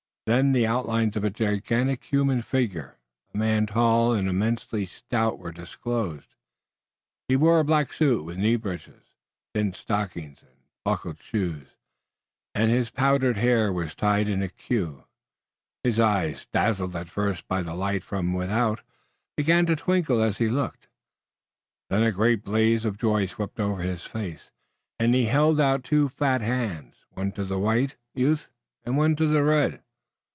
Then the outlines of a gigantic human figure, a man tall and immensely stout, were disclosed. He wore a black suit with knee breeches, thick stockings and buckled shoes, and his powdered hair was tied in a queue. His eyes, dazzled at first by the light from without, began to twinkle as he looked. Then a great blaze of joy swept over his face, and he held out two fat hands, one to the white youth and one to the red.